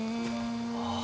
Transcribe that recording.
ああ。